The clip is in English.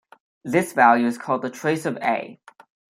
This value is called the trace of "A".